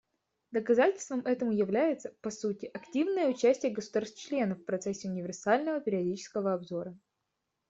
Доказательством этому является, по сути, активное участие государств-членов в процессе универсального периодического обзора.